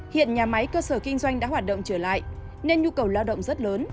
hiện nhà máy cơ sở kinh doanh đã hoạt động trở lại nên nhu cầu lao động rất lớn